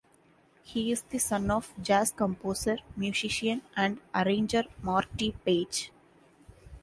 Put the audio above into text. He is the son of jazz composer, musician, and arranger Marty Paich.